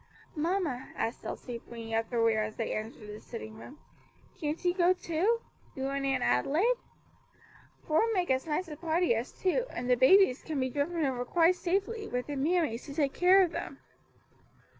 "Mamma," asked Elsie, bringing up the rear as they entered the sitting room, "can't you go, too you and Aunt Adelaide? Four make as nice a party as two, and the babies can be driven over quite safely, with their mammies, to take care of them."